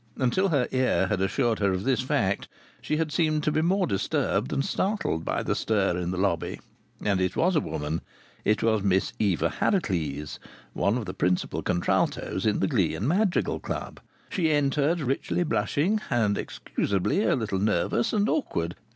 Until her ear had assured her of this fact she had seemed to be more disturbed than startled by the stir in the lobby. And it was a woman. It was Miss Eva Harracles, one of the principal contraltos in the glee and madrigal club. She entered richly blushing, and excusably a little nervous and awkward.